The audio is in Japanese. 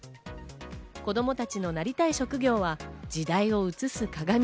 子供たちのなりたい職業は時代を映す鏡。